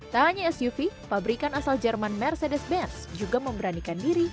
tak hanya suv pabrikan asal jerman mercedes benz juga memberanikan diri